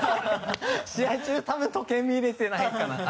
試合中は多分時計、見れてないかな。